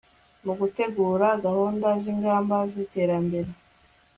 mu gutegura gahunda z'ingamba z'iterambere